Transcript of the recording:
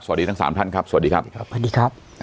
สวัสดีทั้งสามท่านครับสวัสดีครับ